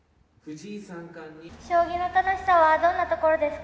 将棋の楽しさはどんなところですか？